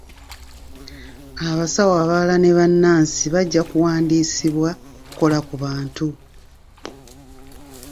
Abasawo abalala ne bannaasi bajja kuwandisibwa okukola ku bantu.